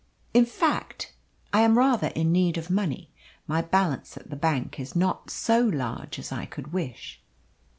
"In fact, I am rather in need of money. My balance at the bank is not so large as I could wish."